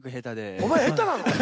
お前下手なの？